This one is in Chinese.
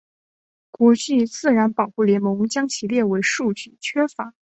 国际自然保护联盟将其列为数据缺乏。